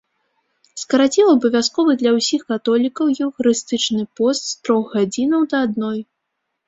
Скараціў абавязковы для ўсіх католікаў еўхарыстычны пост з трох гадзінаў да адной.